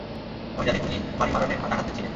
আমি জানি তুমি মানিমারানের ডানহাত ছিলে।